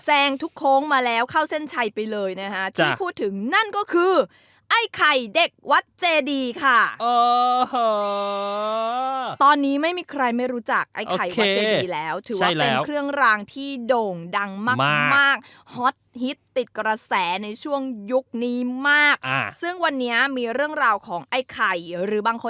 แสงทุกโค้งมาแล้วเข้าเส้นชัยไปเลยนะฮะที่พูดถึงนั่นก็คือไอ้ไข่เด็กวัดเจดีค่ะ